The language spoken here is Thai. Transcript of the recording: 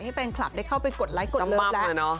ให้แฟนคลับได้เข้าไปกดไลคดเลิฟแล้ว